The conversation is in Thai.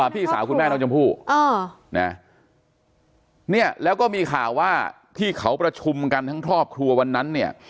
พี่สาวคุณแม่น้องชมพู่เนี่ยแล้วก็มีข่าวว่าที่เขาประชุมกันทั้งครอบครัววันนั้นเนี่ย